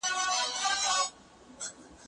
زه پرون ليکنه وکړه،